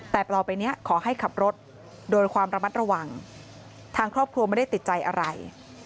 แต่ต่อไปนี้ขอให้ขับรถโดยความระมัดระวังทางครอบครัวไม่ได้ติดใจอะไร